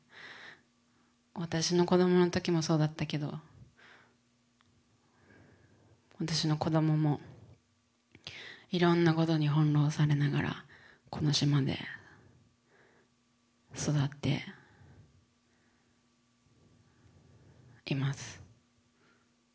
私の子どもの時もそうだったけど私の子どももいろんなことに翻弄されながらこの島で育っています。